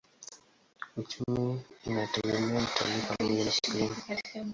Uchumi unategemea utalii pamoja na kilimo.